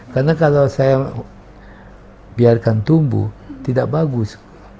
karena kalau saya biarkan tumbuh tidak bagus